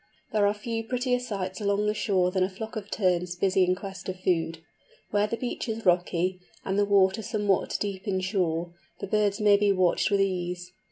There are few prettier sights along the shore than a flock of Terns busy in quest of food. Where the beach is rocky, and the water somewhat deep inshore, the birds may be watched with ease.